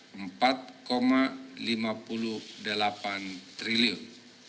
yang terjadi adalah rp empat lima puluh delapan triliun